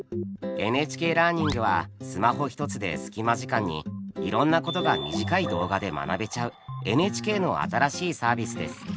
「ＮＨＫラーニング」はスマホ一つでスキマ時間にいろんなことが短い動画で学べちゃうＮＨＫの新しいサービスです。